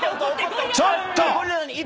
ちょっと！